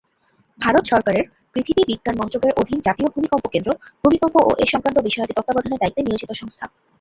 ভারত সরকারের পৃথিবী বিজ্ঞান মন্ত্রকের অধীন জাতীয় ভূমিকম্প কেন্দ্র ভূমিকম্প ও এ সংক্রান্ত বিষয়াদি তত্ত্বাবধানের দায়িত্বে নিয়োজিত সংস্থা।